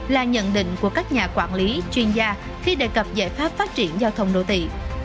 là nhận định của các nhà quản lý chuyên gia khi đề cập giải pháp phát triển giao thông nội tị